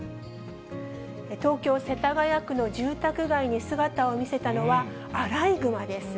東京・世田谷区の住宅街に姿を見せたのは、アライグマです。